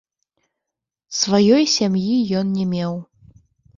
Сваёй сям'і ён не меў.